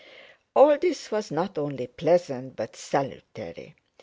All this was not only pleasant but salutary.